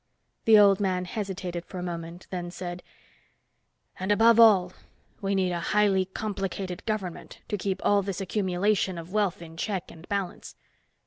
The old man hesitated for a moment, then said, "And, above all, we need a highly complicated government to keep all this accumulation of wealth in check and balance.